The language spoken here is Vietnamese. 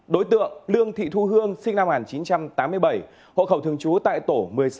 đối tượng lương thị thu hương sinh năm một nghìn chín trăm tám mươi bảy hộ khẩu thường trú tại tổ một mươi sáu